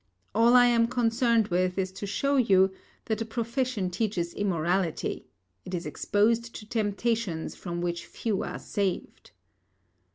All I am concerned with is to show you that the profession teaches immorality; it is exposed to temptations from which few are saved.